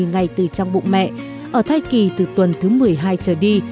ngay từ trong bụng mẹ ở thai kỳ từ tuần thứ một mươi hai trở đi